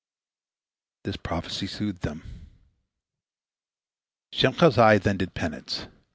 This prophecy soothed them. Shemhazai then did penance.